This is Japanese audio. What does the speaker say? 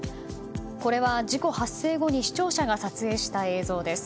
これは事故発生後に視聴者が撮影した映像です。